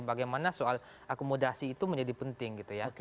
bagaimana soal akomodasi itu menjadi penting gitu ya